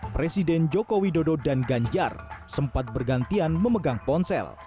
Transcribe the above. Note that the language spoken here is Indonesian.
presiden jokowi dodo dan ganjar sempat bergantian memegang ponsel